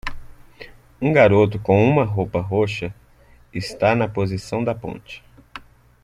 Um garoto com uma roupa roxa está na posição da ponte.